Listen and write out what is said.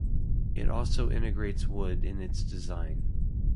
It also integrates wood in its design.